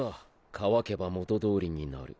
乾けば元通りになる。